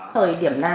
thời điểm này